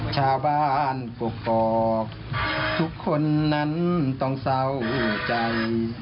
ชาวบ้านกกอกทุกคนนั้นต้องเศร้าใจ